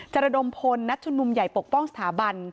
ระดมพลนัดชุมนุมใหญ่ปกป้องสถาบัน